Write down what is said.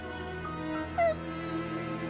うん。